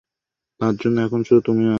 তার জন্য এখন শুধু তুমিই আছ।